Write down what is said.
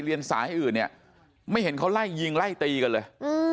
สายอื่นเนี่ยไม่เห็นเขาไล่ยิงไล่ตีกันเลย